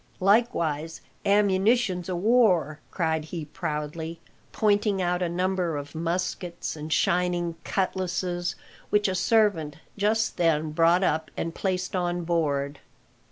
Likewise ammunitions o' war," cried he proudly, pointing out a number of muskets and shining cutlasses, which a servant just then brought up and placed on board.